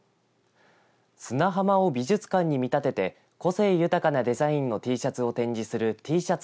砂浜を美術館に見立てて個性豊かなデザインのＴシャツを展示するＴシャツ